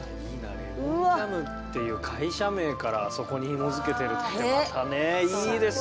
レモンジャムっていう会社名からあそこにひもづけてるってまたねいいですね。